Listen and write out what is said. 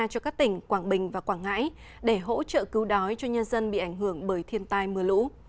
cho các tỉnh quảng bình và quảng ngãi để hỗ trợ cứu đói cho nhân dân bị ảnh hưởng bởi thiên tai mưa lũ